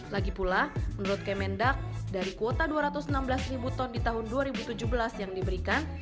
lagi pula menurut kemendak dari kuota dua ratus enam belas ribu ton di tahun dua ribu tujuh belas yang diberikan